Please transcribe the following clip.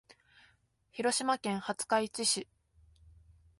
広島県廿日市市